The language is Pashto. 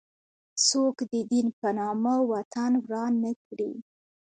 څوک د دین په نامه وطن وران نه کړي.